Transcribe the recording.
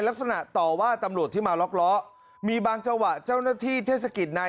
แล้วไม่ได้อะไรเลย